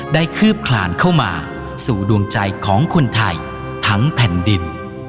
คืบคลานเข้ามาสู่ดวงใจของคนไทยทั้งแผ่นดิน